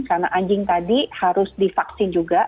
karena anjing tadi harus divaksin juga